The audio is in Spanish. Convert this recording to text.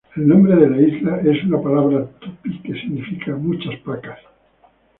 El nombre de la isla es una palabra tupí que significa "muchas pacas".